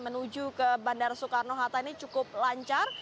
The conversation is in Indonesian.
menuju ke bandara soekarno hatta ini cukup lancar